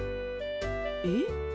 えっ？